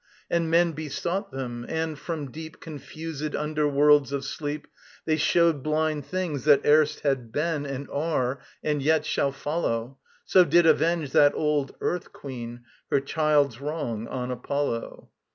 And men besought them; and from deep Confused underworlds of sleep They showed blind things that erst had been And are and yet shall follow So did avenge that old Earth Queen Her child's wrong on Apollo.